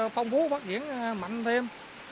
phong phú phát triển mạnh thêm